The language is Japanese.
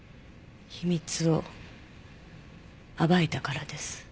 秘密を暴いたからです。